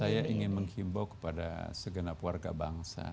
saya ingin menghimbau kepada segenap warga bangsa